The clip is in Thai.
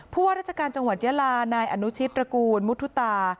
ว่าราชการจังหวัดยาลานายอนุชิตตระกูลมุทุตา